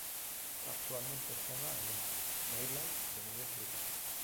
Actualmente juega en la Mainland Premier League.